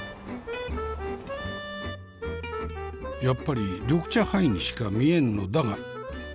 やっぱり緑茶ハイにしか見えんのだが。